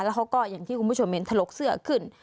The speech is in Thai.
แล้วเขาก็อย่างที่คุณผู้ชมเห็นถลกเสื้อขึ้น